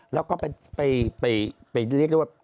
แล้วก็ไปเรียกได้ว่า